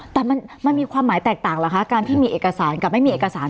แต่มันมีความหมายแตกต่างเหรอคะการที่มีเอกสารกับไม่มีเอกสาร